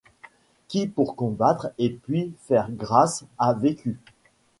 Qui pour combattre et puis faire grâce, a vécu